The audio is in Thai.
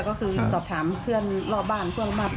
ก็คือสอบถามเพื่อนรอบบ้านพวกมัน